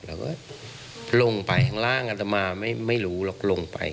เราก็ลงไปข้างล่างอัตมาไม่รู้หรอกลงไป